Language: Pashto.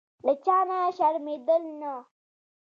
له چا نه شرمېدل نه.